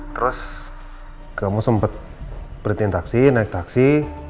terus kamu sempet berhentiin taksi naik taksi